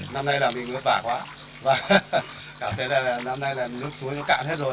năm nay là mình ngược bả quá cả thế này là năm nay là nước suối nó cạn hết rồi